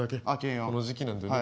この時期なんでね。